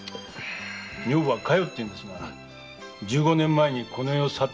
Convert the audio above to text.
女房は“加代”っていうんですが十五年前この世を去りました。